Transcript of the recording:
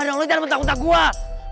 lo jangan takut takutin gue